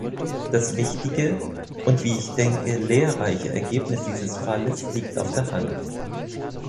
Das wichtige, und wie ich denke, lehrreiche Ergebnis dieses Falles liegt auf der Hand.